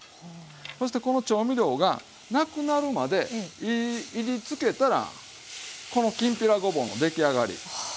そしてこの調味料がなくなるまでいりつけたらこのきんぴらごぼうの出来上がり。